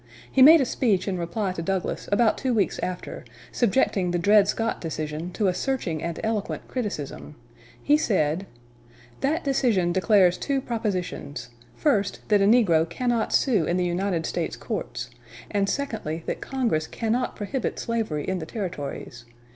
He made a speech in reply to Douglas about two weeks after, subjecting the Dred Scott decision to a searching and eloquent criticism. He said: "That decision declares two propositions first, that a negro cannot sue in the United States courts; and secondly, that Congress cannot prohibit slavery in the Territories.